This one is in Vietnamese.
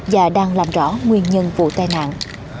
và đang làm rõ nguyên nhân vụ tai nạn